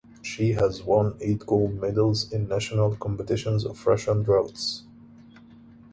She has won eight gold medals in national competitions of Russian draughts.